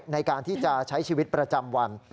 ในการที่จะใช้ชีวิตประจำวัน